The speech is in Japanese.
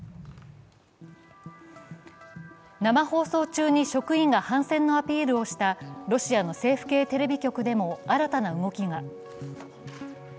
生放送中に職員が反戦のアピールをしたロシアの政府系テレビ局でも新たな動きが。